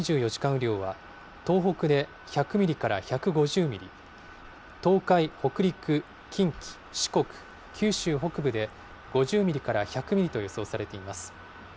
雨量は、東北で１００ミリから１５０ミリ、東海、北陸、近畿、四国、九州北部で、５０ミリから１００ミリと予想されています。